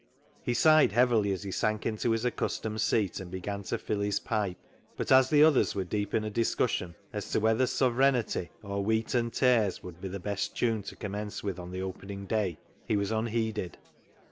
He sighed heavily as he sank into his accustomed seat and began to fill his pipe, but as the others were deep in a discussion as to whether Sovrenity (Sovereignty) or Wheat and Tares would be the best tune to com mence with on the opening day, he was unheeded.